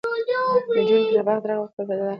نجونې به تر هغه وخته پورې په ډاډه زړه درس وايي.